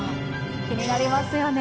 気になりますよね。